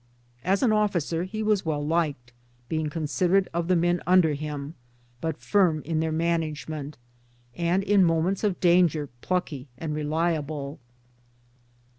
As an officer he was well liked, being considerate of the men under him, but firm in their management, and in moments of danger plucky and reliable.